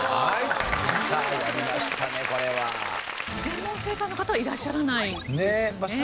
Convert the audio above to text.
全問正解の方はいらっしゃらないですね。